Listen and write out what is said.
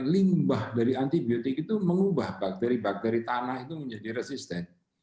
limbah dari antibiotik itu mengubah bakteri bakteri tanah itu menjadi resisten